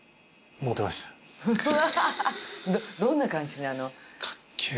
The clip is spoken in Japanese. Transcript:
どんな感じなの？